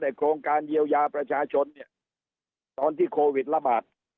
แต่โครงการเยียวยาประชาชนเนี่ยตอนที่โควิดระบาด